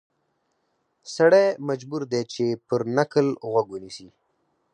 سړی مجبور دی چې پر نکل غوږ ونیسي.